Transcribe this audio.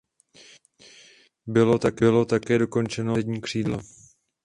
Bylo také dokončeno levé přední křídlo.